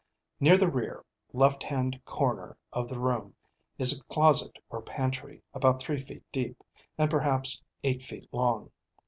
Near the rear, left hand corner of the room is a closet or pantry, about three feet deep, and perhaps eight feet long.